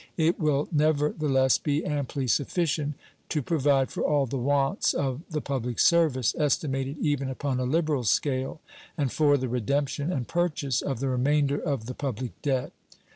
It will never the less be amply sufficient to provide for all the wants of the public service, estimated even upon a liberal scale, and for the redemption and purchase of the remainder of the public debt.